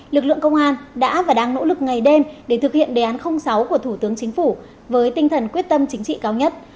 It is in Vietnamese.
lực lượng công an đã và đang nỗ lực ngày đêm để thực hiện đề án sáu của thủ tướng chính phủ với tinh thần quyết tâm chính trị cao nhất